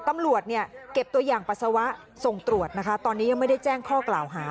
ตำรวจเนี่ยเก็บตัวอย่างปัสสาวะส่งตรวจนะคะตอนนี้ยังไม่ได้แจ้งข้อกล่าวหา